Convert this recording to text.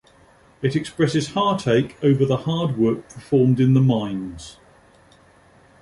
It expresses heartache over the hard work performed in the mines.